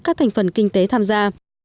các thành phần kinh tế tham gia